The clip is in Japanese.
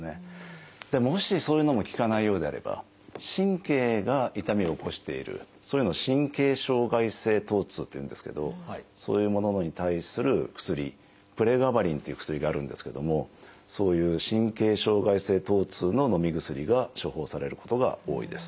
もしそういうのも効かないようであれば神経が痛みを起こしているそういうのを「神経障害性疼痛」っていうんですけどそういうものに対する薬「プレガバリン」っていう薬があるんですけどもそういう神経障害性疼痛ののみ薬が処方されることが多いです。